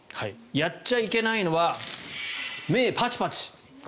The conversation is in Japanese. やっちゃいけないのは目をパチパチ。